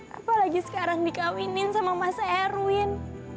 apalagi sekarang dikawinin sama mas erwin